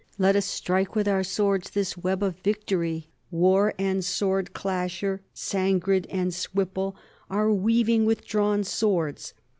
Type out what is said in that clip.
Let us strike with our swords this web of victory! War and Sword clasher, Sangrid and Swipple, are weaving with drawn swords.